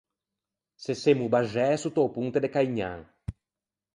Se semmo baxæ sotta o ponte de Caignan.